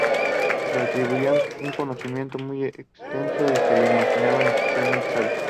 Le atribuían un conocimiento muy extenso y se lo imaginaban especialmente sabio.